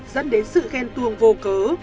dẫn đến sự ghen tuông vô cớ